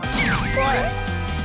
おい！